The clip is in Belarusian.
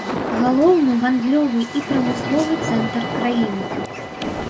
Галоўны гандлёвы і прамысловы цэнтр краіны.